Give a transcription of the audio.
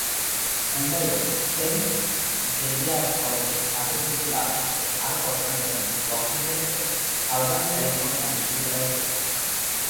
মুম্বইয়ের Saint Xavier's কলেজে স্নাতক ডিগ্রী লাভ শেষে আরও পড়াশোনার জন্য লস অ্যাঞ্জেলেসের সাউদার্ন ক্যালিফোর্নিয়া বিশ্ববিদ্যালয়ে ভর্তি হন।